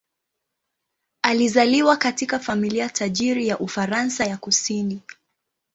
Alizaliwa katika familia tajiri ya Ufaransa ya kusini.